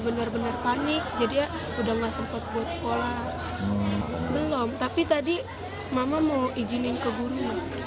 benar benar panik jadi udah nggak sempat buat sekolah belum tapi tadi mama mau izinin ke guru